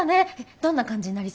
どんな感じになりそう？